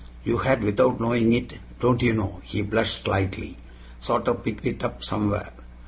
you had without knowing it, don't you know?" he blushed slightly "sorter picked it up somewhere."